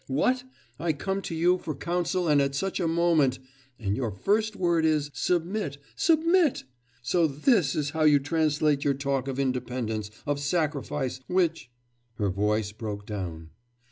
What! I come to you for counsel, and at such a moment! and your first word is, submit! submit! So this is how you translate your talk of independence, of sacrifice, which...' Her voice broke down.